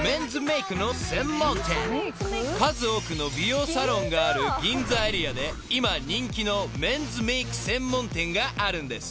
［数多くの美容サロンがある銀座エリアで今人気のメンズメーク専門店があるんです］